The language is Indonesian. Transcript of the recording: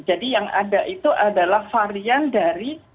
jadi yang ada itu adalah varian dari